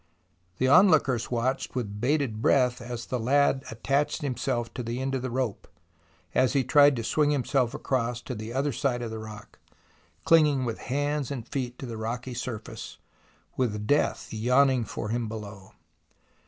The onlookers watched with bated breath as the lad attached himself to the end of the rope, as he tried to swing himself across to the other side of the rock, clinging with hands and feet to the rocky surface, with death yawning for him below.